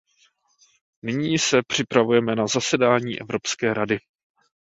Nyní se připravujeme na zasedání Evropské rady.